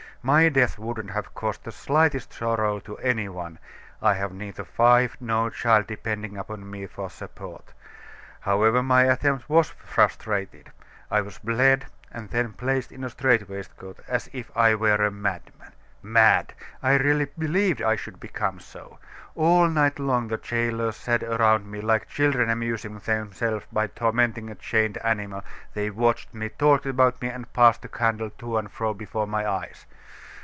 My death wouldn't have caused the slightest sorrow to any one. I have neither wife nor child depending upon me for support. However, my attempt was frustrated. I was bled; and then placed in a strait waistcoat, as if I were a madman. Mad! I really believed I should become so. All night long the jailors sat around me, like children amusing themselves by tormenting a chained animal. They watched me, talked about me, and passed the candle to and fro before my eyes."